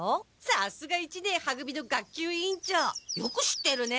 さすが一年は組の学級委員長よく知ってるね。